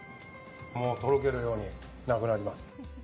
もうとろけるようになくなります。